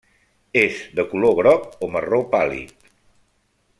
És de color groc o marró pàl·lid.